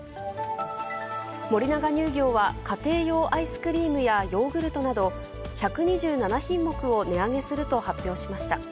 森永乳業は、家庭用アイスクリームやヨーグルトなど、１２７品目を値上げすると発表しました。